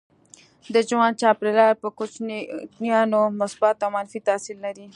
د ژوند چاپيریال پر کوچنیانو مثبت او منفي تاثير لري.